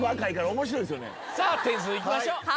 さあ点数いきましょう。